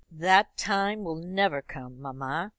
"That time will never come, mamma.